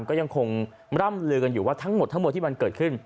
ก็ยังคงร่ำลือกันอยู่ว่าทั้งหมดทั้งหมดที่มันเกิดขึ้น